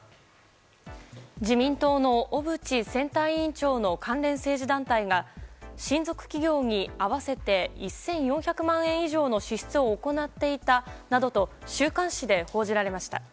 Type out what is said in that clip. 自民党の小渕選対委員長の関連政治団体が親族企業に合わせて１４００万円以上の支出を行っていたなどと週刊誌で報じられました。